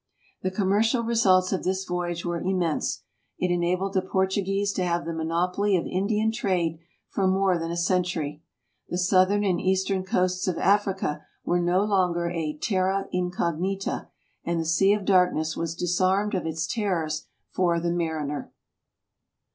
The commercial results of this voyage were immense. It enabled the Portuguese to have the monopoly of Indian trade for more than a century. The southern and eastern coasts of Africa were no longer a terra incognita, and the Sea of Darkness was disarmed of its terrors for the mariner.